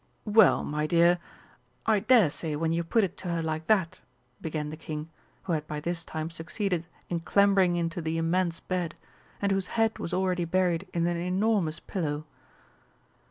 "Well, my dear, I daresay when you put it to her like that," began the King, who had by this time succeeded in clambering into the immense bed, and whose head was already buried in an enormous pillow.